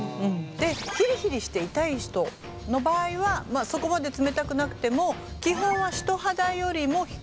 でヒリヒリして痛い人の場合はそこまで冷たくなくても基本は人肌よりも低い温度。